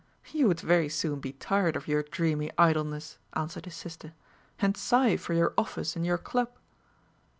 "You would very soon be tired of your dreamy idleness," answered his sister, "and sigh for your office and your club."